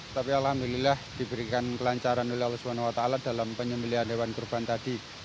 tapi alhamdulillah diberikan kelancaran oleh allah swt dalam penyembelian hewan kurban tadi